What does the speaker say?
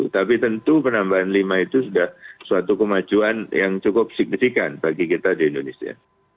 tapi tentu penambahan lima itu sudah suatu kemajuan yang cukup signifikan bagi kita di indonesia